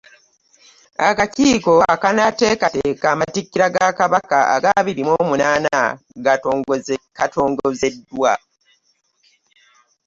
Akakiiko akanaateekateeka amatikkira ga Kabaka ag'abiri mu omunaana katongozeddwa.